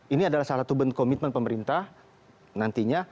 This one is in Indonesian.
ini adalah salah satu komitmen pemerintah nantinya